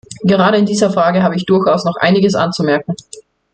Gerade in dieser Frage habe ich durchaus noch einiges anzumerken.